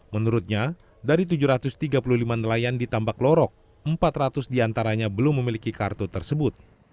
menurutnya dari tujuh ratus tiga puluh lima nelayan ditambah klorok empat ratus diantaranya belum memiliki kartu tersebut